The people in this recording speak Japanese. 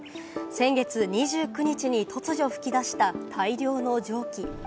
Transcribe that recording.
先月２９日に突如噴き出した大量の蒸気。